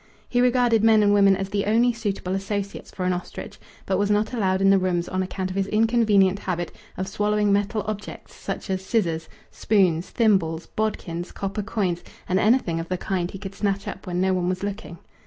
He regarded men and women as the only suitable associates for an ostrich, but was not allowed in the rooms on account of his inconvenient habit of swallowing metal objects such as scissors, spoons, thimbles, bodkins, copper coins, and anything of the kind he could snatch up when no one was looking.